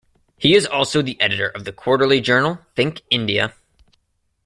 He is also the editor of the quarterly journal "Think India".